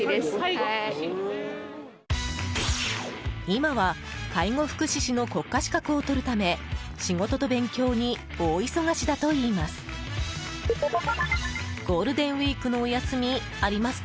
今は介護福祉士の国家資格を取るため仕事と勉強に大忙しだといいます。